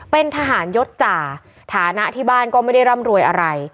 เป็นทหารยศจ่าฐานะที่บ้านก็ไม่ได้ร่ำรวยอะไร